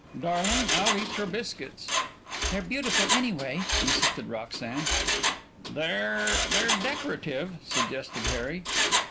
"Darling, I'll eat your biscuits." "They're beautiful, anyway," insisted Roxanne. "They're they're decorative," suggested Harry.